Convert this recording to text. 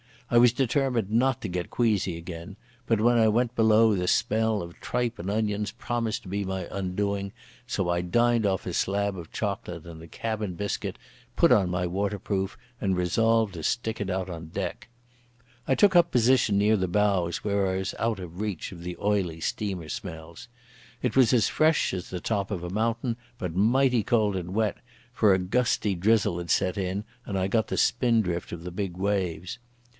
I was determined not to get queasy again, but when I went below the smell of tripe and onions promised to be my undoing; so I dined off a slab of chocolate and a cabin biscuit, put on my waterproof, and resolved to stick it out on deck. I took up position near the bows, where I was out of reach of the oily steamer smells. It was as fresh as the top of a mountain, but mighty cold and wet, for a gusty drizzle had set in, and I got the spindrift of the big waves.